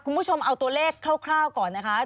คุณผู้ชมเอาตัวเลขคร่าวก่อนนะคะ